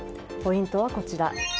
ポイントはこちら。